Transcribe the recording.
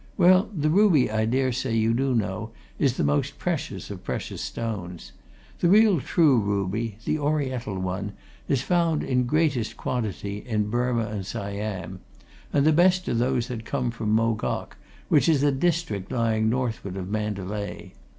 well, the ruby, I daresay you do know, is the most precious of precious stones. The real true ruby, the Oriental one, is found in greatest quantity in Burma and Siam, and the best are those that come from Mogok, which is a district lying northward of Mandalay.